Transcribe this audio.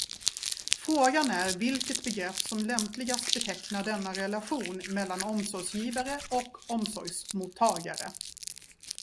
Frågan är vilket begrepp som lämpligast betecknar denna relation mellan omsorgsgivare och omsorgsmottagare.